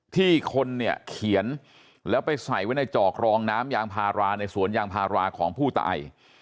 ที่คนเนี่ยเขียนแล้วไปใส่ไว้ในจอกรองน้ำยางพาราในสวนยางพาราของผู้ตาย